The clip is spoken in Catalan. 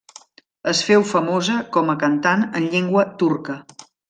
Es féu famosa com a cantant en llengua turca.